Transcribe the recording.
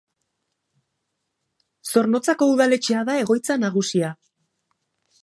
Zornotzako udaletxea da egoitza nagusia.